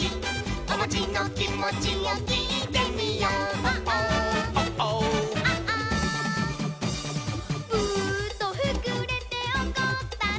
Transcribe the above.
「おもちのきもちをきいてみよう」「ＯｈＯｈＯｈ」「プーッとふくれておこったの？」